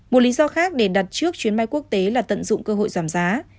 một lý do khác để đặt trước chuyến bay quốc tế là tận dụng cơ hội giảm giá